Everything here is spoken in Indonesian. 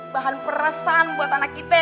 bahan perasaan buat anak kita